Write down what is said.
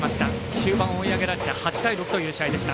終盤追い上げられて８対６という試合でした。